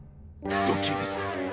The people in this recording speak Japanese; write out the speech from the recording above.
ドッキーです。